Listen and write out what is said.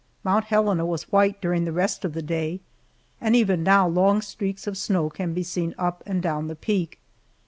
Mount Helena was white during the rest of the day, and even now long streaks of snow can be seen up and down the peak.